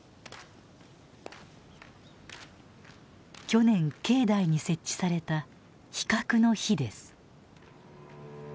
去年境内に設置された「非核の火」です。